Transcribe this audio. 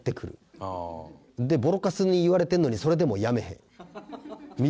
でボロカスに言われてるのにそれでもやめへんみたいな。